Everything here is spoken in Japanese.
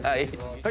はい！